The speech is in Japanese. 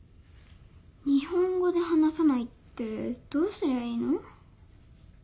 日本語で話さないってどうすりゃいいの？